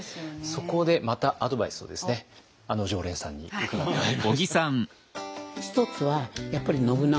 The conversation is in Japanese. そこでまたアドバイスをですねあの常連さんに伺ってまいりました。